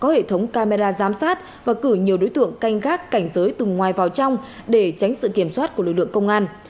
có hệ thống camera giám sát và cử nhiều đối tượng canh gác cảnh giới từng ngoài vào trong để tránh sự kiểm soát của lực lượng công an